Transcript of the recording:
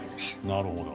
なるほど。